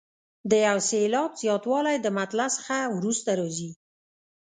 د یو سېلاب زیاتوالی د مطلع څخه وروسته راځي.